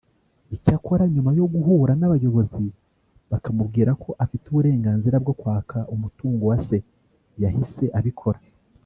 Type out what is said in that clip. Icyakora nyuma yo guhura n’abayobozi bakamubwira ko afite uburenganzira bwo kwaka umutungo wa se yahise abikora